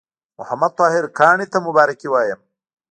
محمد طاهر کاڼي ته مبارکي وایم.